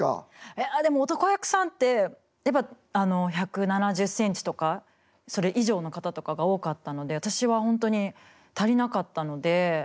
いやでも男役さんってやっぱ１７０センチとかそれ以上の方とかが多かったので私は本当に足りなかったので。